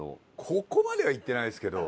ここまではいってないですけど。